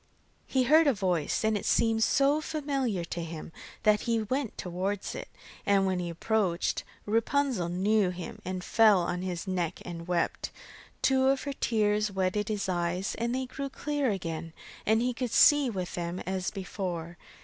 He heard a voice, and it seemed so familiar to him that he went towards it, and when he approached, Rapunzel knew him and fell on his neck and wept. Two of her tears wetted his eyes and they grew clear again, and he could see with them as before.